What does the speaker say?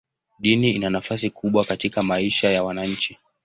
Dini ina nafasi kubwa katika maisha ya wananchi.